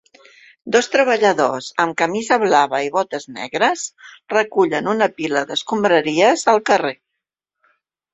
Dos treballadors amb camisa blava i botes negres recullen una pila d'escombraries al carrer.